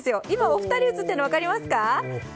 今、お二人が写っているのが分かりますか？